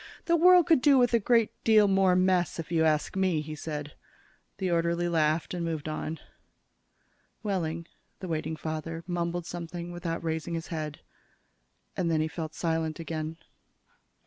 "The world could do with a good deal more mess, if you ask me," he said. The orderly laughed and moved on. Wehling, the waiting father, mumbled something without raising his head. And then he fell silent again.